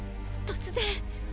突然！！